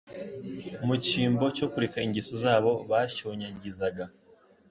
Mu cyimbo cyo kureka ingeso zabo bashyonyagizaga,